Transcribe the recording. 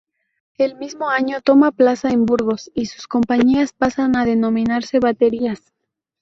El mismo año toma plaza en Burgos y sus compañías pasan a denominarse baterías.